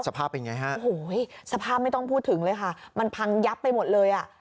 สภาพเป็นไงฮะโอ้โหสภาพไม่ต้องพูดถึงเลยค่ะมันพังยับไปหมดเลยอ่ะ